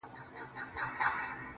د زړگي ښار ته مي لړم د لېمو مه راوله~